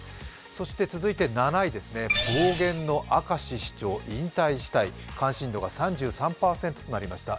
そして続いて７位、暴言の明石市長引退したい、関心度が３３％となりました。